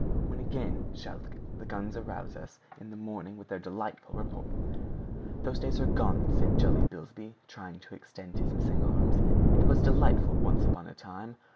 When again shall the guns arouse us in the morning with their delightful reports?" "Those days are gone by," said jolly Bilsby, trying to extend his missing arms. "It was delightful once upon a time!